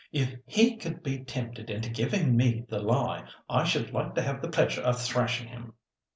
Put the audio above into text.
"If he could be tempted into giving me the lie, I should like to have the pleasure of thrashing him."